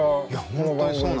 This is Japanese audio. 本当にそうなの。